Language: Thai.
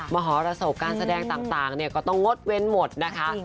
มหรสบการแสดงต่างก็ต้องงดเว้นหมดนะคะ